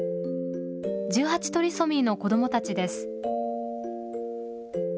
１８トリソミーの子どもたちです。